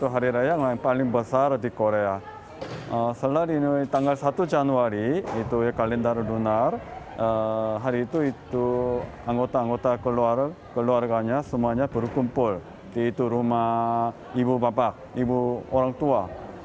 hari itu anggota anggota keluarganya semuanya berkumpul di rumah ibu bapak ibu orang tua